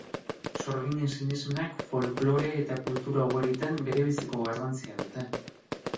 Sorginen sinismenak folklore eta kultura ugaritan berebiziko garrantzia dute.